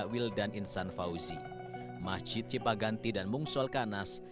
wildan insan fauzi masjid cipaganti dan mungsolkanas